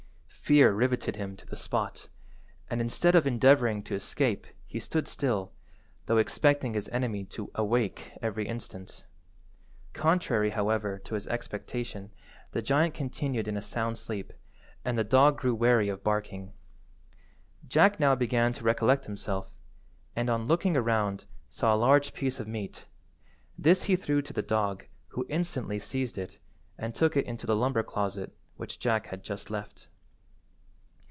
Fear rivetted him to the spot, and instead of endeavouring to escape he stood still, though expecting his enemy to awake every instant. Contrary, however, to his expectation the giant continued in a sound sleep, and the dog grew weary of barking. Jack now began to recollect himself, and, on looking around, saw a large piece of meat. This he threw to the dog, who instantly seized it, and took it into the lumber–closet which Jack had just left.